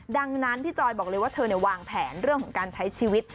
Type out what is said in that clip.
ดังนั้นพี่จอยบอกเลยว่าเธอวางแผนเรื่องของการใช้ชีวิต